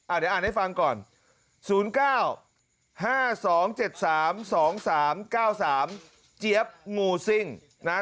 เดี๋ยวอ่านให้ฟังก่อน๐๙๕๒๗๓๒๓๙๓เจี๊ยบงูซิ่งนะฮะ